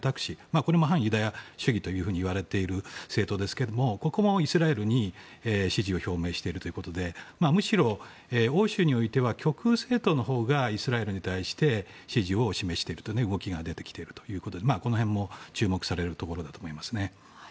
これも反ユダヤ主義といわれている政党ですがここもイスラエルに支持を表明しているということでむしろ、欧州においては極右政党のほうがイスラエルに対して支持を示しているという動きが出てきているということでこの辺も注目されるところだと思いますね。